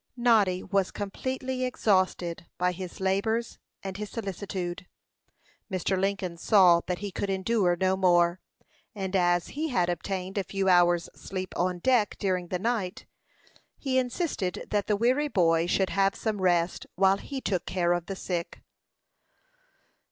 Noddy was completely exhausted by his labors and his solicitude. Mr. Lincoln saw that he could endure no more; and as he had obtained a few hours' sleep on deck during the night, he insisted that the weary boy should have some rest, while he took care of the sick.